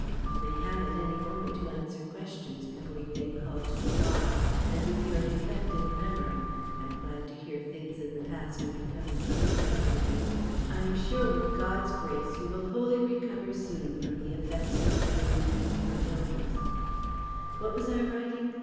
You may have at any moment to answer questions before you get called to the Bar, and with your defective memory I am glad to hear things in the past are becoming clearer to you I am sure with God's grace you will wholly recover soon from the effects of your wound and your illness What was I writing?